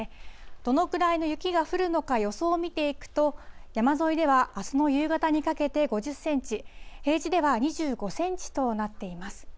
どのくらいの雪が降るのか予想を見ていくと、山沿いではあすの夕方にかけて５０センチ、平地では２５センチとなっています。